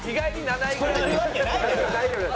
大丈夫です。